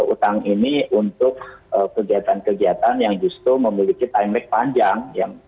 utang ini untuk kegiatan kegiatan yang justru memiliki timelic panjang